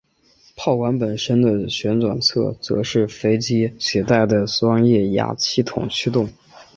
炮管本身的旋转则是由飞机携带的双液压系统驱动。